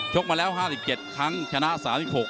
มาแล้ว๕๗ครั้งชนะ๓๖